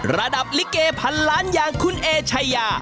ระดับลิเกพันล้านอย่างคุณเอชายา